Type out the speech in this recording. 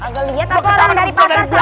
kagal lihat apa orang dari pasar capek begini